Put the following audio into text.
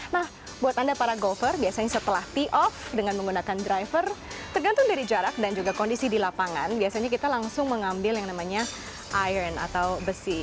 nah buat anda para golfer biasanya setelah peak off dengan menggunakan driver tergantung dari jarak dan juga kondisi di lapangan biasanya kita langsung mengambil yang namanya iron atau besi